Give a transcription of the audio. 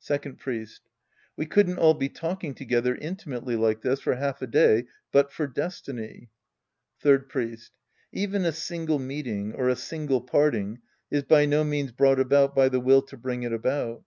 Second Priest. We couldn't all be talking together intimately like this for half a day but for destiny. Third Priest. Even a single meeting, or a single parting, is by no means brought about by the will to bring it about.